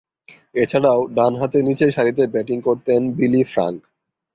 এছাড়াও, ডানহাতে নিচেরসারিতে ব্যাটিং করতেন বিলি ফ্রাঙ্ক।